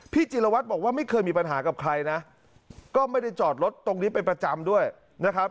จิลวัตรบอกว่าไม่เคยมีปัญหากับใครนะก็ไม่ได้จอดรถตรงนี้เป็นประจำด้วยนะครับ